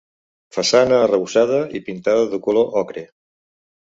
Façana arrebossada i pintada de color ocre.